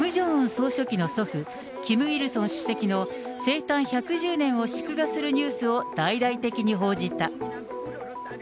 総書記の祖父、キム・イルソン主席の生誕１１０年を祝賀するニュースを大々的に報じた。